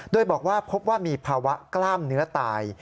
โดยบอกว่าพบว่ามีภาวะกล้ามเนื้อตาย